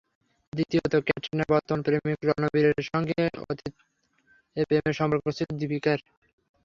দ্বিতীয়ত, ক্যাটরিনার বর্তমান প্রেমিক রণবীরের সঙ্গে অতীতে প্রেমের সম্পর্ক ছিল দীপিকার।